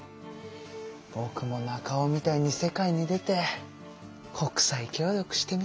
ぼくもナカオみたいに世界に出て国際協力してみたいな。